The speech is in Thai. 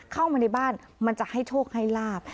เข้ามาในบ้านมันจะให้โชคให้ลาบ